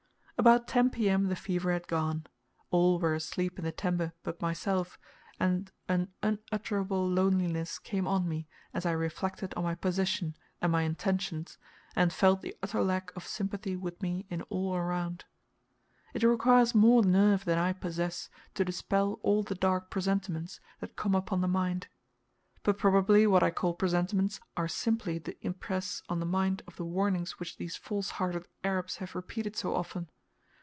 About 10 P.M. the fever had gone. All were asleep in the tembe but myself, and an unutterable loneliness came on me as I reflected on my position, and my intentions, and felt the utter lack of sympathy with me in all around. It requires more nerve than I possess, to dispel all the dark presentiments that come upon the mind. But probably what I call presentiments are simply the impress on the mind of the warnings which these false hearted Arabs have repeated so often.